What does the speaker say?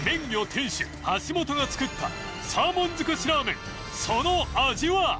魚店主橋本が作ったサーモンづくしラーメンその味は？